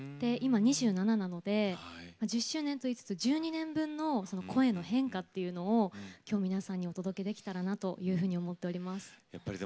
今、２７なので１０周年といいつつ１２年分の声の変化というのをきょう皆さんにお届けできたらなというふうに思っております。